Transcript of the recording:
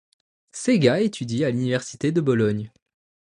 Sega étudie à l'université de Bologne.